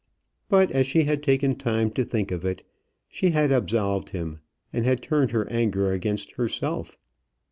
But as she had taken time to think of it, she had absolved him, and had turned her anger against herself.